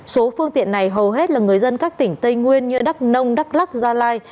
số phương tiện này hầu hết là người dân các tỉnh tây nguyên như đắk nông đắk lắc gia lai